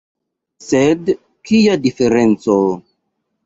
Sed, kia diferenco!